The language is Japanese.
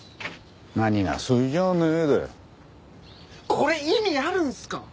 これ意味あるんすか！？